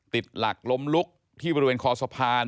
ติดหลักล้มลุกที่บริเวณคอสะพาน